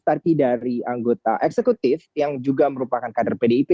tapi dari anggota eksekutif yang juga merupakan kader pdip